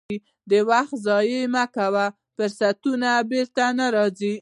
وخت ضایع مه کوه، فرصتونه بیرته نه راځي.